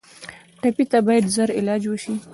ټپي ته باید ژر علاج وشي.